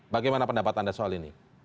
bagaimana pendapat anda soal ini